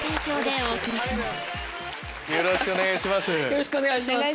よろしくお願いします。